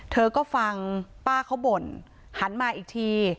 เธอก็ฟังป้าเขาบ่นหันมาอีกที